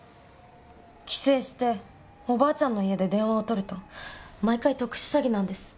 帰省しておばあちゃんの家で電話を取ると毎回特殊詐欺なんです。